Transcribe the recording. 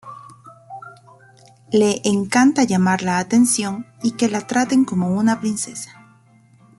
Le encanta llamar la atención y que la traten como a una princesa.